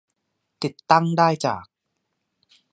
ติดตั้งได้จาก